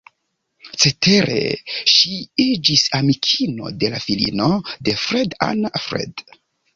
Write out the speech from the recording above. Cetere ŝi iĝis amikino de la filino de Freud, Anna Freud.